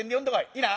いいな？」。